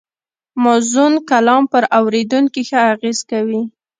موزون کلام پر اورېدونکي ښه اغېز کوي